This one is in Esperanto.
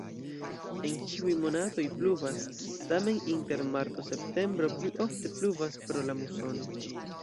En ĉiuj monatoj pluvas, tamen inter marto-septembro pli ofte pluvas pro la musono.